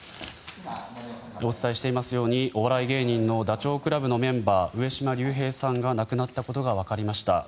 お伝えしていますようにお笑い芸人のダチョウ倶楽部のメンバー上島竜兵さんが亡くなったことがわかりました。